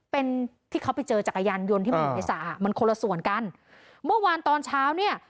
เป็นที่เขาไปเจอจักรยานยนต์ที่มันอยู่ในสระมันคนละส่วนกันเมื่อวานตอนเช้าเนี่ย